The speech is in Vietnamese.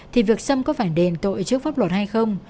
thì việc xâm có phải đền tội trước pháp luật hay không